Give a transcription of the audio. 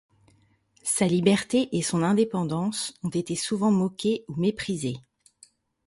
Sa liberté et son indépendance ont été souvent moquées ou méprisées.